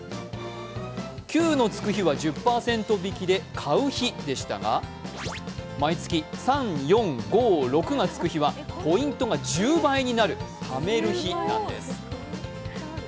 ９のつく日は１０％引きで買う日でしたが、毎月３、４、５、６がつく日はポイントが１０倍になるためる日なんです。